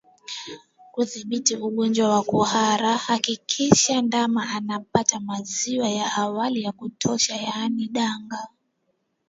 Kudhibiti ugonjwa wa kuhara hakikisha ndama anapata maziwa ya awali ya kutosha yaani danga